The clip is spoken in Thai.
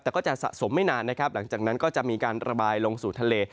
แต่ก็จะสะสมไม่นานนะครับหลังจากนั้นก็จะมีการระบายลงสู่ทะเล